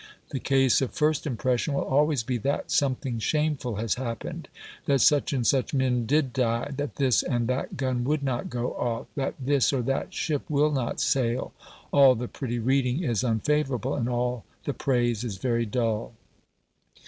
The case of first impression will always be that something shameful has happened; that such and such men did die; that this and that gun would not go off; that this or that ship will not sail. All the pretty reading is unfavourable, and all the praise is very dull.